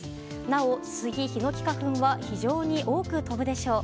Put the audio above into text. なお、スギ・ヒノキ花粉は非常に多く飛ぶでしょう。